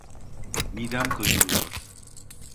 Midem kazınıyor.